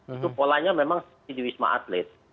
itu polanya memang seperti di wisma atlet